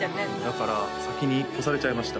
だから先に越されちゃいました